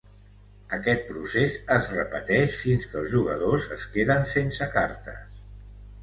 Aquest procés es repeteix fins que els jugadors es queden sense cartes.